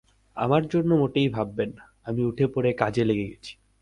আমার জন্য মোটেই ভাববেন না, আমি উঠে-পড়ে কাজে লেগে গেছি।